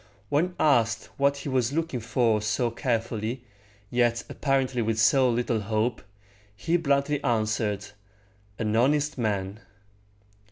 When asked what he was looking for so carefully, yet apparently with so little hope, he bluntly answered, "An honest man."